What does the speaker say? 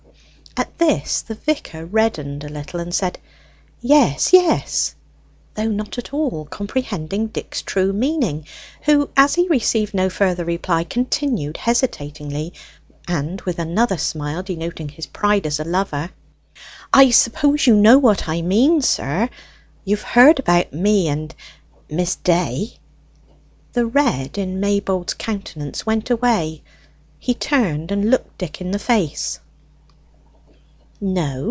At this the vicar reddened a little, and said, "Yes, yes," though not at all comprehending Dick's true meaning, who, as he received no further reply, continued hesitatingly, and with another smile denoting his pride as a lover "I suppose you know what I mean, sir? You've heard about me and Miss Day?" The red in Maybold's countenance went away: he turned and looked Dick in the face.